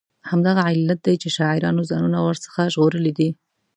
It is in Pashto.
همدغه علت دی چې شاعرانو ځانونه ور څخه ژغورلي دي.